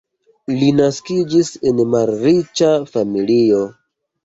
Li naskiĝis en malriĉa familio.